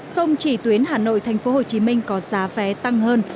không chỉ tuyến hà nội tp hcm có giá vé tăng hơn